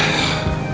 dia udah bangun